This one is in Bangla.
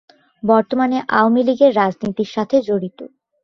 বর্তমানে আওয়ামী লীগের রাজনীতির সাথে জড়িত।